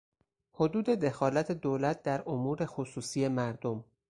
حدود دخالت دولت در امور خصوصی مردم